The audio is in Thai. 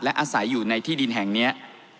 อาศัยอยู่ในที่ดินแห่งนี้